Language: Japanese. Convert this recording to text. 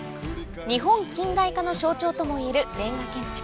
日本近代化の象徴ともいえるレンガ建築。